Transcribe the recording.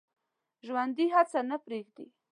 ژوندي هڅه نه پرېږدي